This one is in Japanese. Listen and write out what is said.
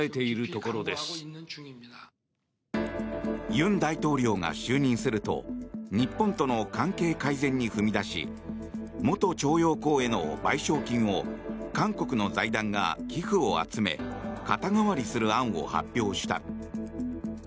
尹大統領が就任すると日本との関係改善に踏み出し元徴用工への賠償金を韓国の財団が寄付を集め肩代わりする案を発表した。